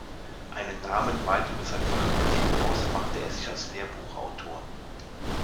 Einen Namen weit über sein Fachgebiet hinaus machte er sich als Lehrbuchautor.